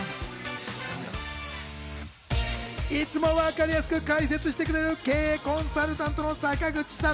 いつもわかりやすく解説してくれる経営コンサルタントの坂口さん。